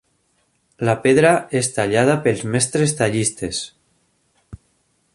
La pedra és tallada pels mestres tallistes.